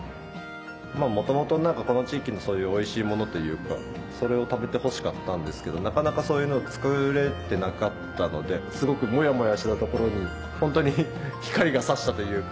元々この地域のそういうおいしいものというかそれを食べてほしかったんですけどなかなかそういうのを作れてなかったのですごくモヤモヤしてたところに本当に光が差したというか。